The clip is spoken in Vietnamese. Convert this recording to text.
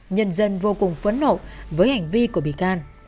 nhân dân vô cùng phấn nộ với hành vi của bị can